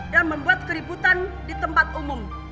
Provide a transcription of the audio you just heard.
dan membuat keributan di tempat umum